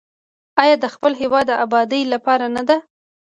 آیا د خپل هیواد د ابادۍ لپاره نه ده؟